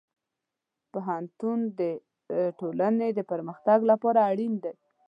پوهنتون د ټولنې د پرمختګ لپاره اړین دی.